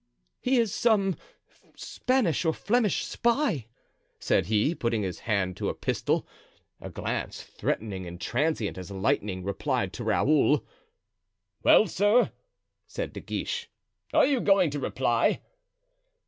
"He is some Spanish or Flemish spy," said he, putting his hand to his pistol. A glance, threatening and transient as lightning, replied to Raoul. "Well, sir," said De Guiche, "are you going to reply?"